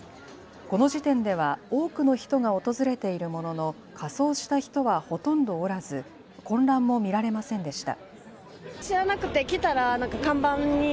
この時点では多くの人が訪れているものの仮装した人はほとんどおらず混乱も見られませんでした。